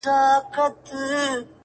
خو خدای له هر یوه سره مصروف په ملاقات دی.